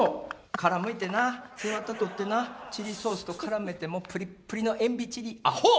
殻むいてな背ワタ取ってなチリソースとからめてもうプリップリのエンビチリアホ！